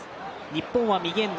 日本は右エンド。